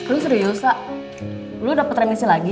lo serius sak lo dapet remisi lagi